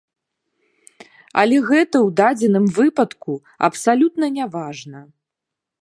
Але гэта ў дадзеным выпадку абсалютна не важна.